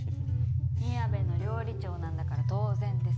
みやべの料理長なんだから当然です。